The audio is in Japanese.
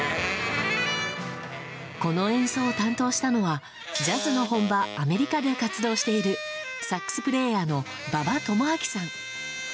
この演奏を担当したのはジャズの本場、アメリカで活動しているサックスプレーヤーの馬場智章さん。